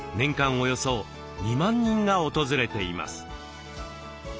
およそ２万人が訪れています。